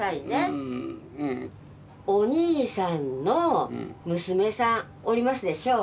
お兄さんの娘さんおりますでしょ。